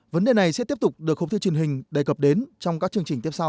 vấn đề này sẽ tiếp tục được học thư truyền hình đề cập đến trong các chương trình tiếp sau